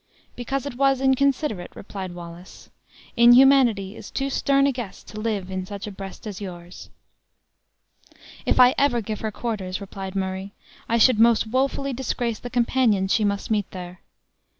"Because it was inconsiderate," replied Wallace. "Inhumanity is too stern a guest to live in such a breast as yours." "If I ever give her quarters," replied Murray, "I should most wofully disgrace the companion she must meet there.